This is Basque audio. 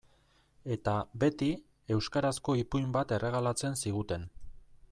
Eta, beti, euskarazko ipuin bat erregalatzen ziguten.